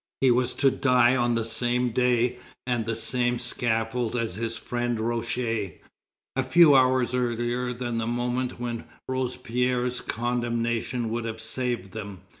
He was to die on the same day and the same scaffold as his friend Roucher, a few hours earlier than the moment when Robespierre's condemnation would have saved them.